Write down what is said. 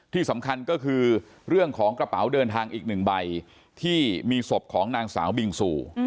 ที่สำคัญก็คือเรื่องของกระเป๋าเดินทางอีกหนึ่งใบที่มีศพของนางสาวบิงซู